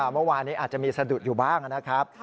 เมื่อวานนี้อาจจะมีสะดุดอยู่บ้างนะครับ